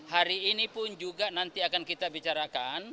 hari ini pun juga nanti akan kita bicarakan